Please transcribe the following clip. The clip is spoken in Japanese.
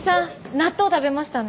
納豆食べましたね？